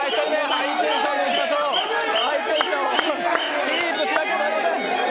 ハイテンションをキープしなければなりません。